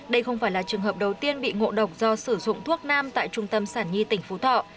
đây không phải là trường hợp đầu tiên bị ngộ độc do sử dụng thuốc nam tại trung tâm sản nhi tỉnh phú thọ